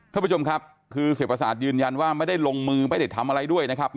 ท่านผู้ชมครับคือเสียประสาทยืนยันว่าไม่ได้ลงมือไม่ได้ทำอะไรด้วยนะครับ